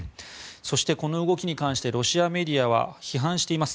そしてこの動きに関してロシアメディアは批判しています。